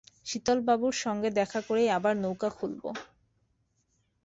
শীতলবাবুর সঙ্গে দেখা করেই আবার নৌকা খুলব।